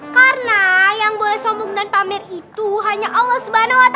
karena yang boleh sombong dan pamer itu hanya allah swt